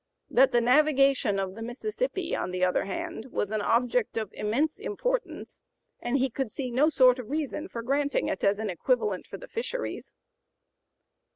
That the navigation of the Mississippi, on the other hand, was an object of immense importance, and he could see no sort of reason for granting it as an equivalent for the fisheries."